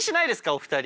お二人。